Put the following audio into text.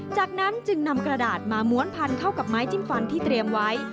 จากนั้นจึงนำกระดาษมาม้วนพันเข้ากับไม้จิ้มฟันที่เตรียมไว้